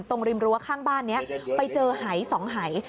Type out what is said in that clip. ตรงริมรั้วข้างบ้านเจอหาย๒หาย